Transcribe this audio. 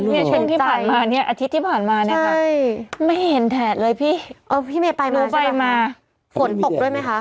นี่ช่วงที่ผ่านมานี่อาทิตย์ที่ผ่านมานะคะไม่เห็นแถดเลยพี่รู้ไหมคะฝนตกด้วยไหมคะ